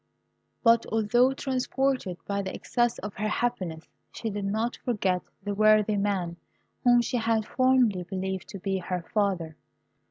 But although transported by the excess of her happiness, she did not forget the worthy man whom she had formerly believed to be her father.